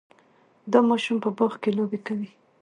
دا ماشوم په باغ کې لوبې کوي.